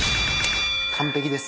完璧です。